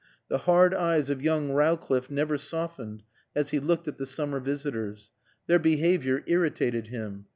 The hard eyes of young Rowcliffe never softened as he looked at the summer visitors. Their behavior irritated him.